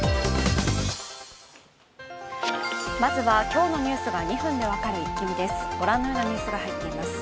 まずは今日のニュースが２分で分かるイッキ見です。